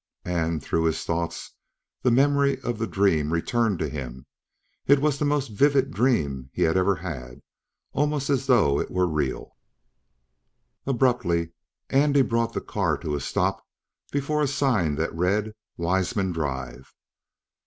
And, through his thoughts, the memory of the dream returned to him. It was the most vivid dream he had ever had, almost as though it was real. Abruptly Andy brought the car to a stop before a sign that read, "Weisman Drive."